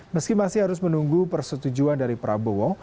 meski masih harus menunggu persetujuan dari prabowo